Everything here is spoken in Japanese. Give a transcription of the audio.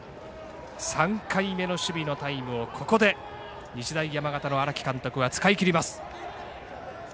３回目の守備のタイムをここで日大山形の荒木監督は使い切ります。